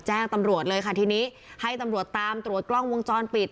แจ้งตำรวจเลยค่ะทีนี้ให้ตำรวจตามตรวจกล้องวงจรปิด